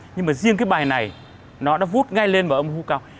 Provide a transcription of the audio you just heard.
nhưng mà riêng cái bài này nó đã vút ngay lên vào âm khu cao